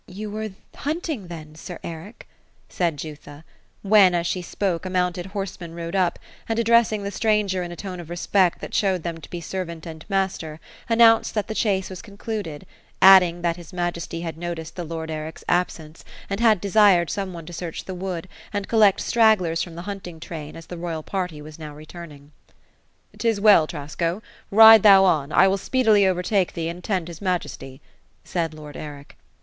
^ Ton were banting, then, sir Eric V* said Jutha ; when, as she spoke, a monnted horseman rode up, and addressing the stranger in a tone of respect that showed them to be servant and master, announced that the chase was concluded ; adding that his majesty had noticed the lord Eric's absence, and had desired some one to search the wood, and col lect stragglers from the hunting train, as the royal party was now re turning.' ^ 'Tis well, Trasco ; ride thou on ; I will speedily overtake thee, and attend his majesty," said lord Eric.